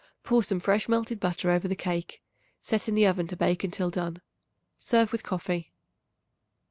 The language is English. Pour some fresh melted butter over the cake; set in the oven to bake until done. Serve with coffee.